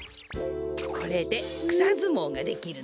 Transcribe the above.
これでくさずもうができるのよ。